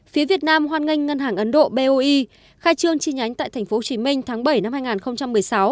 phía việt nam hoan nghênh ngân hàng ấn độ boe khai trương chi nhánh tại tp hcm tháng bảy năm hai nghìn một mươi sáu